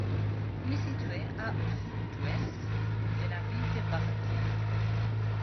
Il est situé à au sud-ouest de la ville de Barranquilla.